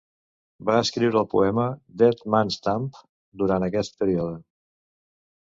Va escriure el poema "Dead Man's Dump" durant aquest període.